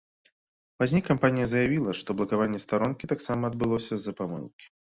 Пазней кампанія заявіла, што блакаванне старонкі таксама адбылося з-за памылкі.